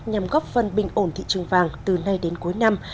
nhằm góp phần bình ổn thị trường vàng từ nay đến cuối năm